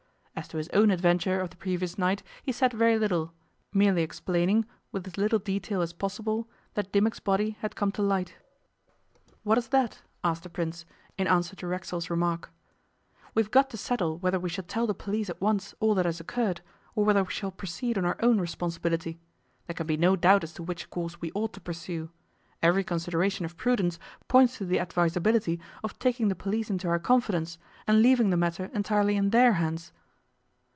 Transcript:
As to his own adventure of the previous night he said very little, merely explaining, with as little detail as possible, that Dimmock's body had come to light. 'What is that?' asked the Prince, in answer to Racksole's remark. 'We have got to settle whether we shall tell the police at once all that has occurred, or whether we shall proceed on our own responsibility. There can be no doubt as to which course we ought to pursue. Every consideration of prudence points to the advisability of taking the police into our confidence, and leaving the matter entirely in their hands.